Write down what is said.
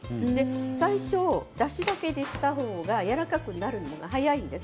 最初、だしだけでしたほうがやわらかくなるのが早いんです。